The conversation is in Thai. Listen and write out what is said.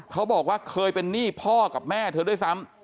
เขาบอกว่าเคยเป็นหนี้พ่อกับแม่เธอด้วยซ้ำ